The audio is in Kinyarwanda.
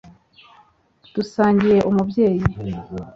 dusangiye umubyeyi